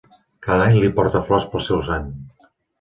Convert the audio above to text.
Cada any li porta flors pel seu sant.